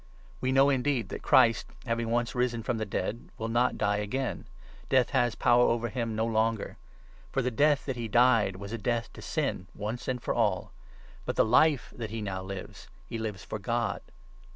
We know, indeed, that Christ, having once risen from 9 the dead, will not die again. Death has power over him no longer. For the death that he died was a death to sin, once 10 and for all. But the Life that he now lives, he lives for God.